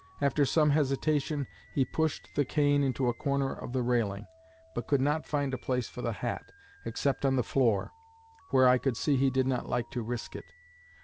After some hesitation, he pushed the cane into a corner of the railing, but could not find a place for the hat, except on the floor, where I could see he did not like to risk it.